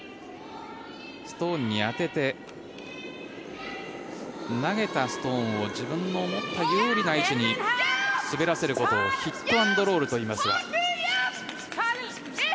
ストーンに当てて投げたストーンを自分のもっと有利な位置に滑らせることをヒット・アンド・ロールといいますが。